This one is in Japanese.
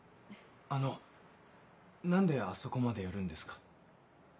あの何であそこまでやるんですか？